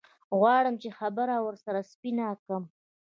غواړم چې خبره ورسره سپينه کم.